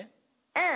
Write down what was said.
うん。